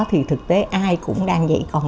thì thực tế ai cũng đang dạy con